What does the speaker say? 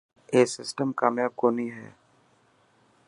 اي سسٽم ڪامپاب ڪوني هي.